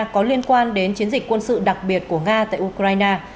có liên quan đến chiến dịch quân sự đặc biệt của nga tại ukraine